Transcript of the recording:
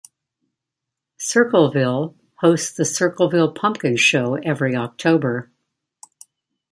Circleville hosts the Circleville Pumpkin Show every October.